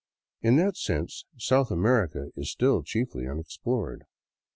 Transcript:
In that sense South America is still chiefly " unexplored."